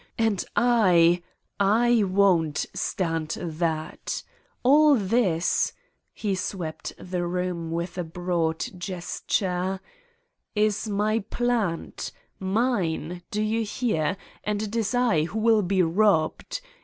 And I I won't stand that ! All this, '' he swept the room with a broad gesture "is my plant, wvine, do you hear, and it is I who will be robbed.